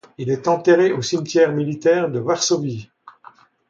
Il est enterré au cimetière militaire de Varsovie.